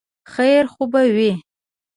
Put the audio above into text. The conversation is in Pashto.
خیر خو به وي ؟